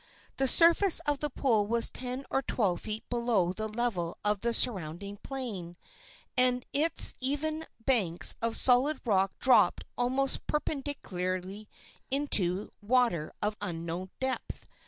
The surface of the pool was ten or twelve feet below the level of the surrounding plain, and its even banks of solid rock dropped almost perpendicularly into water of unknown depth.